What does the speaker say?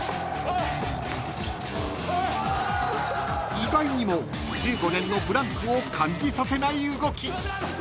［意外にも１５年のブランクを感じさせない動き］